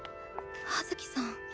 葉月さん。